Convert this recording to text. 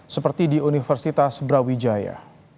seperti di universitas brawijaya